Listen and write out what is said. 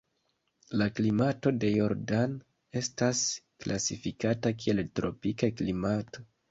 La klimato de Jordan estas klasifikita kiel tropika klimato.